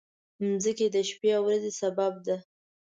مځکه د شپې او ورځې سبب ده.